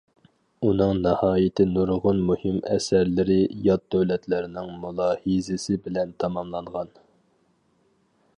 ئۇنىڭ ناھايىتى نۇرغۇن مۇھىم ئەسەرلىرى يات دۆلەتلەرنىڭ مۇلاھىزىسى بىلەن تاماملانغان.